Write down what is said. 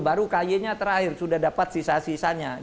baru ky nya terakhir sudah dapat sisa sisanya